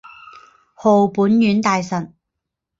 号本院大臣。